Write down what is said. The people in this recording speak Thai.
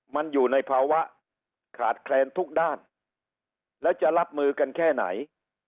มันอยู่ในภาวะขาดแคลนทุกด้านแล้วจะรับมือกันแค่ไหน